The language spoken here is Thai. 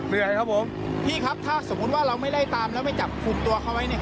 เหนื่อยครับผมพี่ครับถ้าสมมุติว่าเราไม่ไล่ตามแล้วไปจับกลุ่มตัวเขาไว้เนี่ย